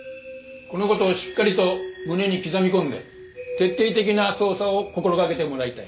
この事をしっかりと胸に刻み込んで徹底的な捜査を心がけてもらいたい。